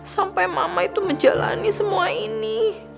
sampai mama itu menjalani semua ini